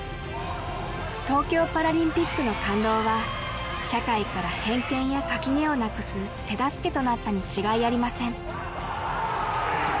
東京パラリンピックの感動は社会から偏見や垣根をなくす手助けとなったに違いありません